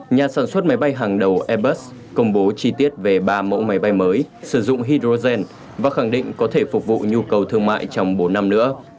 nhà sản xuất máy bay hàng đầu airbus công bố chi tiết về ba mẫu máy bay mới sử dụng hydrogen và khẳng định có thể phục vụ nhu cầu thương mại trong bốn năm nữa